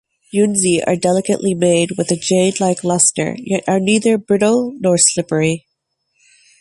Yunzi are delicately made with a jade-like luster yet are neither brittle nor slippery.